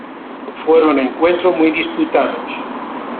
Fueron encuentros muy disputados.